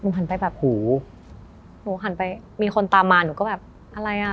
หันไปแบบหูหนูหันไปมีคนตามมาหนูก็แบบอะไรอ่ะ